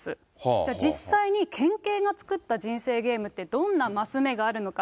じゃあ、実際に県警が作った人生ゲームって、どんなマス目があるのか。